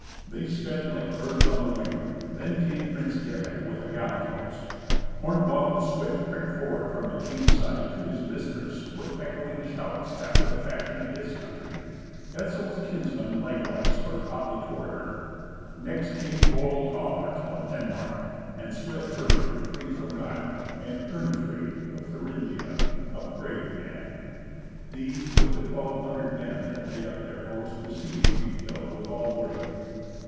They sped like birds on the wing. Then came Prince Gibek with a gallant host. Hornbog, the swift, pricked forward from the king's side to his mistress with echoing shouts, after the fashion of his country. Etzel's kinsmen, likewise, spurred hotly toward her. Next came bold Hawart of Denmark, and swift Iring, free from guile; and Irnfried of Thuringia, a brave man. These, with the twelve hundred men that made up their host, received Kriemhild with all worship.